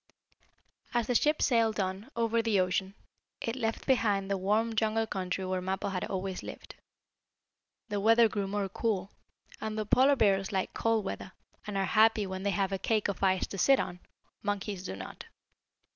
As the ship sailed on, over the ocean, it left behind the warm, jungle country where Mappo had always lived. The weather grew more cool, and though Polar Bears like cold weather, and are happy when they have a cake of ice to sit on, monkeys do not.